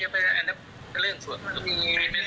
อันนั้นเป็นเรื่องส่วนตรง